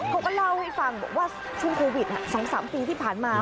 เขาก็เล่าให้ฟังบอกว่าช่วงโควิด๒๓ปีที่ผ่านมา